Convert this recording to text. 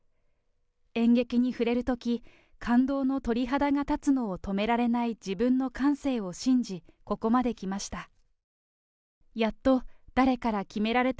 演劇に触れるとき、感動の鳥肌が立つのを止められない自分の感性を信じ、ここまで来ました。